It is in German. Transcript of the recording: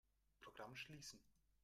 Programm schließen.